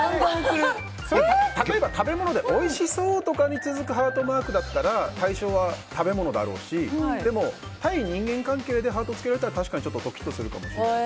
例えば、食べ物でおいしそうに続くハートマークだったら対象は食べ物だろうしでも、対人間関係でハートを付けられたら確かにちょっとドキッとするかもしれない。